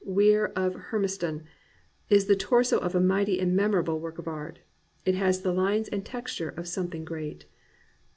Weir of Hermiston, is the torso of a mighty and memorable work of art. It has the lines and the texture of something great.